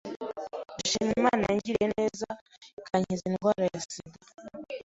Ndashima Imana yangiriye neza ikankiza indwara ya SIDA